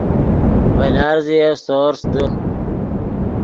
ڤے لارزیف سورس دے